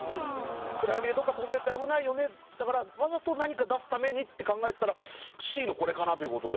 暗闇でどこか飛んでって危ないよねだからわざと何か出すためにって考えてたらＣのこれかなという事で。